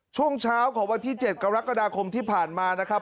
ช่วงเช้าของวันที่๗กรกฎาคมที่ผ่านมานะครับ